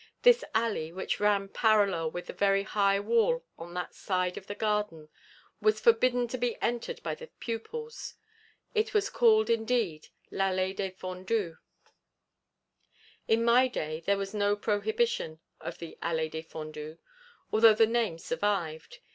this alley, which ran parallel with the very high wall on that side of the garden, was forbidden to be entered by the pupils; it was called indeed l'Allée défendue._' In my day there was no prohibition of the Allée défendue, although the name survived.